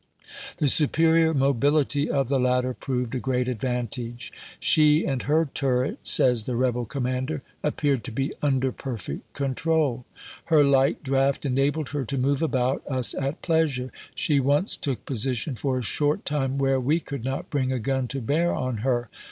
The superior mobility of the latter proved a great advantage. " She and her tun et," says the rebel commander, " appeared to be under perfect control. Her light "monitok" and "meekimac" 229 draft enabled her to move about us at pleasure, ch. xm. She once took position for a short time where we could not bring a gun to bear on her.